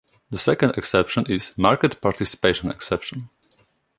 The second exception is "market participation exception".